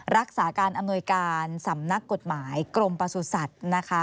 รักษาการอำนวยการสำนักกฎหมายกรมประสุทธิ์สัตว์นะคะ